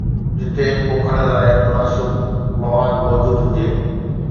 جتي پوکڻ لاءِ مناسب مواد موجود هجي.